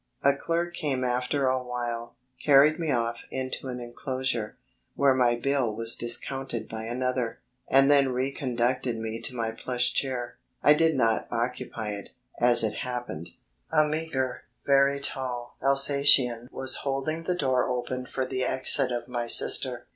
A clerk came after awhile, carried me off into an enclosure, where my bill was discounted by another, and then reconducted me to my plush chair. I did not occupy it, as it happened. A meagre, very tall Alsatian was holding the door open for the exit of my sister.